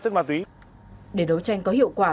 chất ma túy để đấu tranh có hiệu quả